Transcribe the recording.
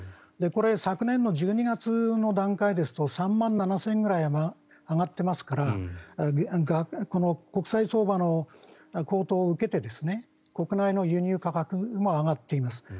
これ、昨年の１２月の段階ですと３万７０００ぐらい上がっていますからこの国際相場の高騰を受けて国内の輸入価格も上がっています。